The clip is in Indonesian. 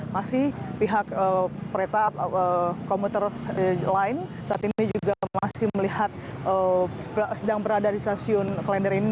masih pihak kereta komuter lain saat ini juga masih melihat sedang berada di stasiun klender ini